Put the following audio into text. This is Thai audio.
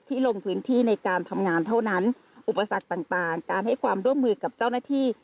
ลงพื้นที่ในการทำงานเท่านั้นอุปสรรคต่างการให้ความร่วมมือกับเจ้าหน้าที่